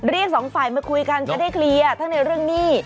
สองฝ่ายมาคุยกันจะได้เคลียร์ทั้งในเรื่องหนี้